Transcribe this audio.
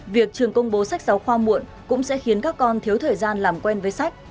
việc trường công bố sách giáo khoa muộn cũng sẽ khiến các con thiếu thời gian làm quen với sách